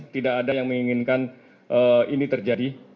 tidak ada yang menginginkan ini terjadi